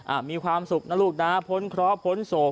อ่ะมีความสุขนะลุกนะผลเคราะห์ผลโศค